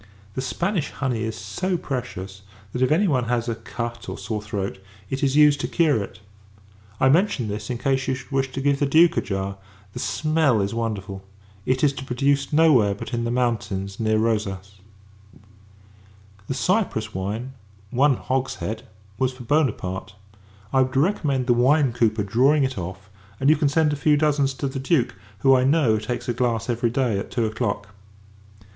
The Spanish honey is so precious, that if [any one has] a cut, or sore throat, it is used to cure it. I mention this, in case you should wish to give the Duke a jar. The smell is wonderful! It is to be produced no where, but in the mountains near Rosas. The Cyprus wine, one hogshead, was for Buonaparte. I would recommend the wine cooper drawing it off: and you can send a few dozens to the Duke; who, I know, takes a glass every day at two o'clock.